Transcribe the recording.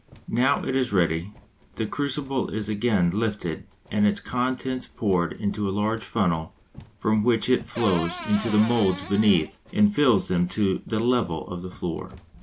Now it is ready, the crucible is again lifted and its contents poured into a large funnel from which it flows into the moulds beneath and fills them to the level of the floor.